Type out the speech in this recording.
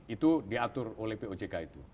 itu diatur oleh pojk itu